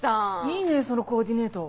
いいねそのコーディネート。